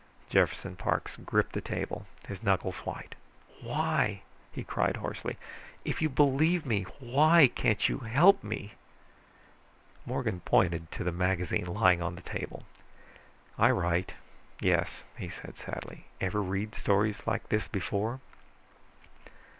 Jefferson Parks gripped the table, his knuckles white. "Why?" he cried hoarsely. "If you believe me, why can't you help me?" Morgan pointed to the magazine lying on the table. "I write, yes," he said sadly. "Ever read stories like this before?"